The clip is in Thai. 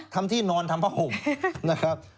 ที่นอนทำผ้าห่มนะครับ